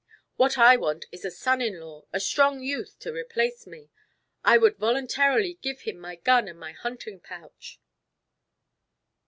What I want is a son in law, a strong youth to replace me; I would voluntarily give him my gun and my hunting pouch."